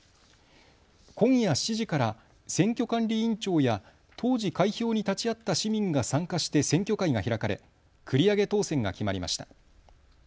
今夜７時から選挙管理委員長や当時、開票に立ち会った市民が参加して選挙会が開かれ繰り上げ当選が決まりました。